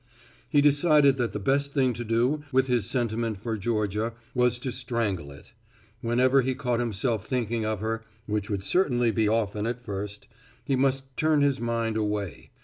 He decided that the best thing to do with his sentiment for Georgia was to strangle it. Whenever he caught himself thinking of her, which would certainly be often at first, he must turn his mind away.